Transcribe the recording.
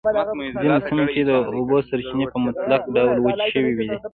ځینو سیمو کې د اوبو سرچېنې په مطلق ډول وچې شوی دي.